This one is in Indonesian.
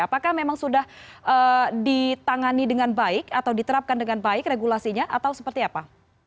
apakah memang sudah ditangani dengan baik atau diterapkan dengan baik regulasinya atau seperti apa